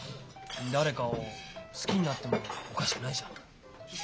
誰かを好きになってもおかしくないじゃん。